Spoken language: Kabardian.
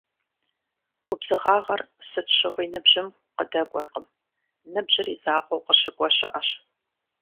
Губзыгъагъэр сыт щыгъуи ныбжьым къыдэкӏуэркъым - ныбжьыр и закъуэу къыщыкӏуэ щыӏэщ.